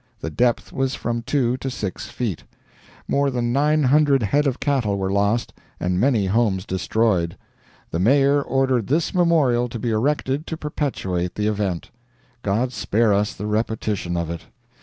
The depth was from two to six feet. More than 900 head of cattle were lost, and many homes destroyed. The Mayor ordered this memorial to be erected to perpetuate the event. God spare us the repetition of it!"